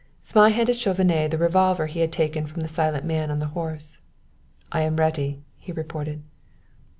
Zmai handed Chauvenet the revolver he had taken from the silent man on the horse. "I am ready," he reported.